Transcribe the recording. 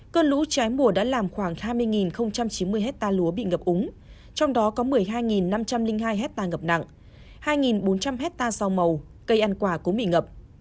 cơn lũ trái mùa đã làm khoảng hai mươi chín mươi hectare lúa bị ngập úng trong đó có một mươi hai năm trăm linh hai hectare ngập nặng hai bốn trăm linh hectare rau màu cây ăn quả cũng bị ngập